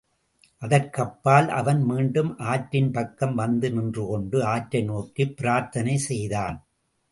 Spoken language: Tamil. அதற்கப்பால், அவன் மீண்டும் ஆற்றின் பக்கம் வந்து நின்றுகொண்டு, ஆற்றை நோக்கிப் பிரார்த்தனை செய்தான்.